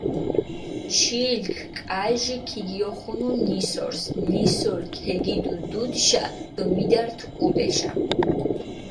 ჩილქ კაჟი ქიგიოხუნუ ნისორს, ნისორი ქეგიდუ დუდიშა დო მიდართჷ ჸუდეშა.